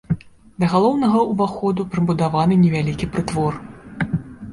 Да галоўнага ўваходу прыбудаваны невялікі прытвор.